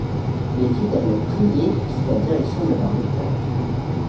Les fidèles priaient sous la direction de leur lecteur.